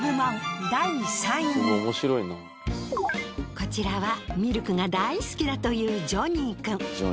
こちらはミルクが大好きだというジョニー君。